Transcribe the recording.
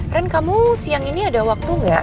ren kamu siang ini ada waktu nggak